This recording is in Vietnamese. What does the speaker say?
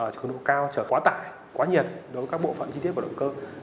trường hợp cao trở quá tải quá nhiệt đối với các bộ phận chi tiết của động cơ